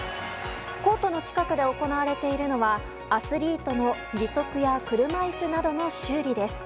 コートの近くで行われているのはアスリートの義足や車いすなどの修理。